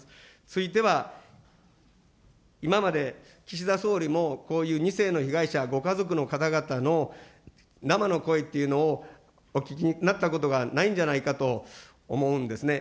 ついては、今まで岸田総理もこういう２世の被害者、ご家族の方々の生の声というのをお聞きになったことがないんじゃないかと思うんですね。